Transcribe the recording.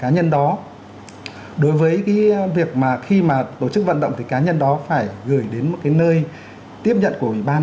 nhân đó đối với cái việc mà khi mà tổ chức vận động thì cá nhân đó phải gửi đến một cái nơi tiếp nhận của ủy ban